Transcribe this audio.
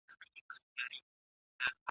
زه چي هر قدم ایږدمه هر ګړی دي یادومه